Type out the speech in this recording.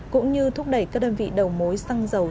cũng như thúc đẩy các đơn vị đầu mối xăng dầu